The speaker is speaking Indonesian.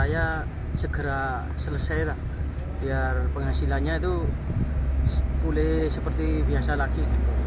saya segera selesai lah biar penghasilannya itu pulih seperti biasa lagi